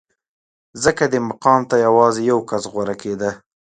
ځکه دې مقام ته یوازې یو کس غوره کېده